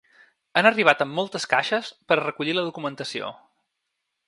Han arribat amb moltes caixes per a recollir la documentació.